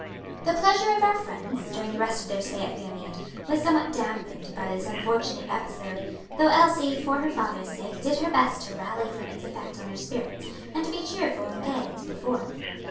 The pleasure of our friends, during the rest of their stay at Viamede, was somewhat dampened by this unfortunate episode, though Elsie, for her father's sake, did her best to rally from its effect on her spirits, and to be cheerful and gay as before.